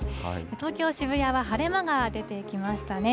東京・渋谷は晴れ間が出てきましたね。